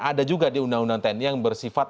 ada juga di undang undang tni yang bersifat